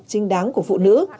chính đáng của phụ nữ